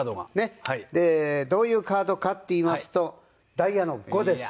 どういうカードかっていいますとダイヤの５です。